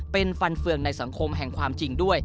เป็นฟันเฟืองในสังคมแห่งความจริงด้วย